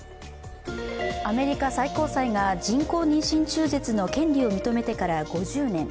アメリカ最高裁が人工妊娠中絶の権利を認めてから５０年。